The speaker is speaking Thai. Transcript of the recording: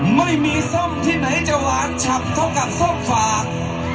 ไม่มีส้มที่ไหนจะหวานฉ่ำเท่ากับส้มฝาก